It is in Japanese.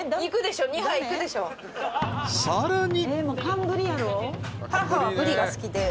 ［さらに］